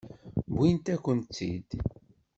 Wwint-akent-tt-id.